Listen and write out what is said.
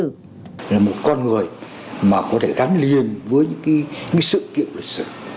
đồng chí phạm hùng là một con người có thể gắn liền với sự kiện lịch sử